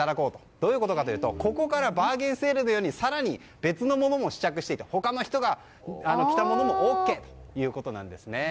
どういうことかというとここからバーゲンセールのように更に別のものも試着できて他の人が着たものもＯＫということです。